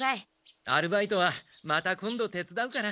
アルバイトはまた今度手つだうから。